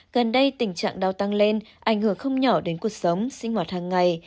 gần đây tình trạng đau tăng lên ảnh hưởng không nhỏ đến cuộc sống sinh hoạt hàng ngày